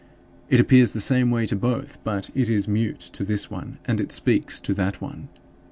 It appears the same way to both; but it is mute to this one and it speaks to that one.